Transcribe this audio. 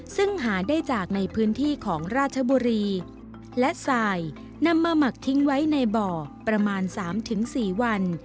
ซึ่งหาได้จากในพื้นที่ของราชบุรีและสายนำมาหมักทิ้งไว้ในบ่อประมาณ๓๔วัน